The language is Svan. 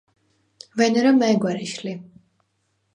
ვენერა მა̈ჲ გვა̈რიშ ლი?